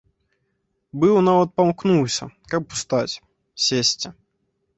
Быў нават памкнуўся, каб устаць, сесці.